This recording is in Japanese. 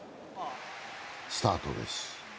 スタートです。